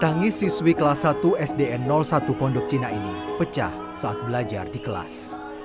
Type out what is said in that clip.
tangis siswi kelas satu sdn satu pondok cina ini pecah saat belajar di kelas